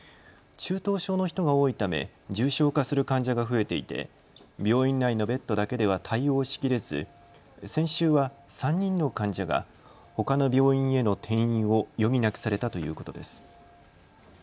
中等症の人が多いため重症化する患者が増えていて病院内のベッドだけでは対応しきれず先週は３人の患者がほかの病院への転院を余儀なくされたということです。